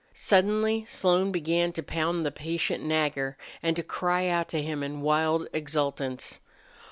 Suddenly Slone began to pound the patient Nagger and to cry out to him in wild exultance.